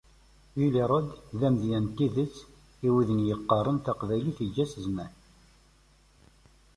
Uli Rohde d amedya n tidet i wid-nni yeqqaren Taqbaylit yeǧǧa-tt zzman.